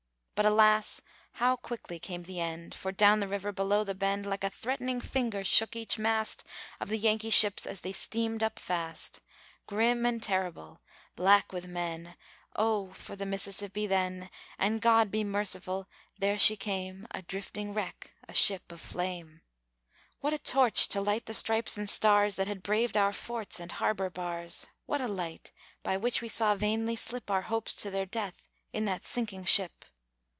But, alas, how quickly came the end! For down the river, below the bend, Like a threatening finger shook each mast Of the Yankee ships as they steamed up fast. Grim and terrible, black with men, Oh, for the Mississippi then! And God be merciful! there she came, A drifting wreck, a ship of flame. What a torch to light the stripes and stars That had braved our forts and harbor bars! What a light, by which we saw vainly slip Our hopes to their death in that sinking ship!